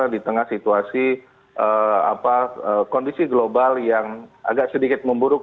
di tengah situasi kondisi global yang agak sedikit memburuk